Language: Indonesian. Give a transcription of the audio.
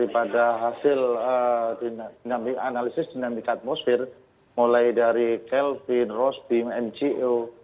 baik kalau kita melihat daripada hasil analisis dinamika atmosfer mulai dari kelvin ross bim ngo